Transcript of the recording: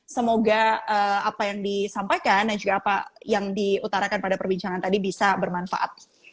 semoga apa yang disampaikan dan juga apa yang diutarakan pada perbincangan tadi bisa bermanfaat